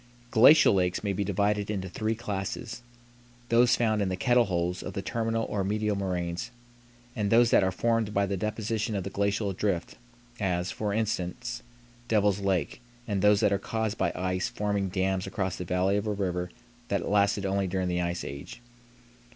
Glacial lakes may be divided into three classes. Those found in the "kettle holes" of the terminal or medial moraines, and those that are formed by the deposition of the glacial drift, as, for instance, Devil's Lake, and those that are caused by ice forming dams across the valley of a river that lasted only during the ice age.